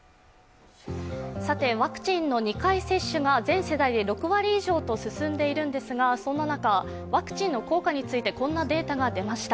さてワクチンの２回接種が全世代で６割以上と進んでいるんですが、そんな中ワクチンの効果についてこんなデータが出ました。